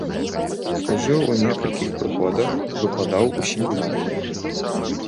Служыў у некалькіх прыходах, выкладаў у семінарыі.